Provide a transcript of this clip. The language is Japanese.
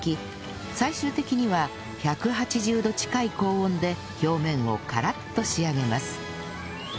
最終的には１８０度近い高温で表面をカラッと仕上げます